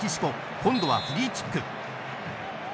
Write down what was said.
今度はフリーキック。